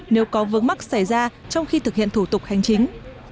nếu có vướng mắc xảy ra trong khi thực hiện thủ tục hành chính